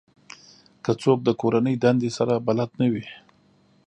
که څوک د کورنۍ دندې سره بلد نه وي